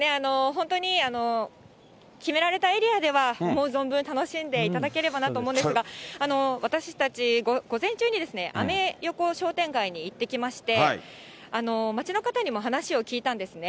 本当に、決められたエリアでは、思う存分楽しんでいただければなと思うんですが、私たち、午前中にアメ横商店街に行ってきまして、街の方にも話を聞いたんですね。